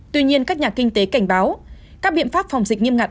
tuy nhiên các nhà kinh tế cảnh báo các biện pháp phòng dịch nghiêm ngặt